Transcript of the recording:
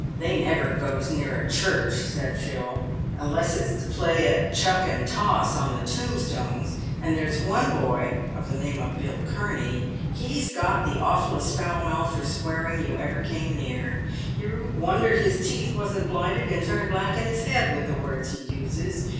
" They never goes near a church," said Phil, " unless it's to play at ' chuck and toss' on the tombstones ; and there's one boy, of ^the name of Bill Kurney, he's got the awfullest foul mouth for swearing you ever came near. You'd wonder his teeth wasn't blighted and turned black in his head with the words he uses.